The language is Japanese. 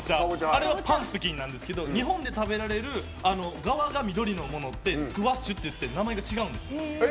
あれはパンプキンなんですけど日本で食べられる緑のものってスクワッシュっていって名前が違うんです。